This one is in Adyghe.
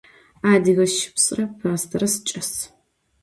Adıge şıpsre p'astere siç'as.